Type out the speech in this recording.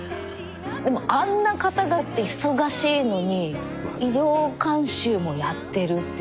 でもあんな肩書あって忙しいのに医療監修もやってるって。